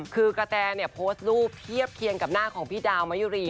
คือกระแตเนี่ยโพสต์รูปเทียบเคียงกับหน้าของพี่ดาวมะยุรี